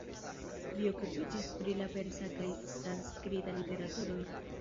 Li okupiĝis pri la persa kaj sanskrita literaturoj.